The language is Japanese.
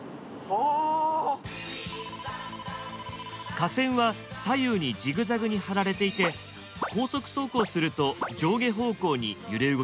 架線は左右にジグザグに張られていて高速走行すると上下方向に揺れ動きます。